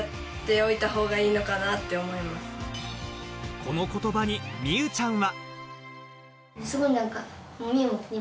この言葉に美羽ちゃんは。